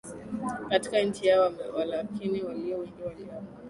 katika nchi yao Walakini walio wengi waliamua